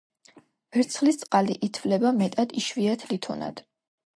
ვერცხლისწყალი ითვლება მეტად იშვიათ ლითონად.